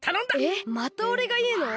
えっまたおれがいうの？